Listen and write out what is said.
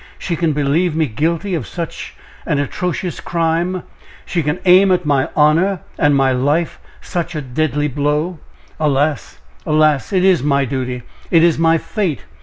She can believe me guilty of such atrocious crime she can aim at my honor and my life such a deadly blow?" "Alas! alas! it is my duty! it is my fate!